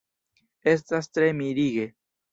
Estas tre mirige!